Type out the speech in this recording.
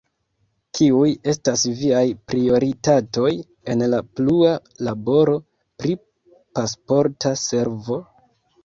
Kiuj estas viaj prioritatoj en la plua laboro pri Pasporta Servo?